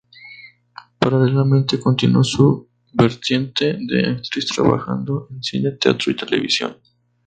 Paralelamente continuó su vertiente de actriz trabajando en cine, teatro y televisión.